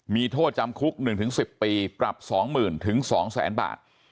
มีโทษจำคุก๑ถึง๑๐ปีปรับ๒๐๐๐๐ถึง๒แสนบาท